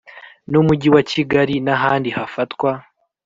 N umujyi wa kigali n ahandi hafatwa